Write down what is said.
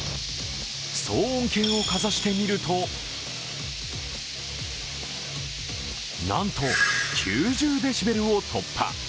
騒音計をかざしてみるとなんと９０デシベルを突破。